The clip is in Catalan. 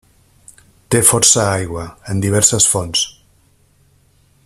Té força aigua, en diverses fonts.